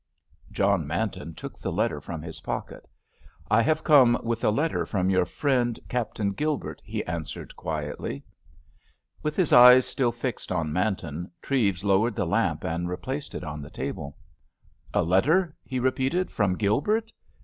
John Manton took the letter from his pocket. "I have come with a letter from your friend, Captain Gilbert," he answered quietly. With his eyes still fixed on Manton, Treves lowered the lamp and replaced it on the table. "A letter," he repeated, "from Gilbert?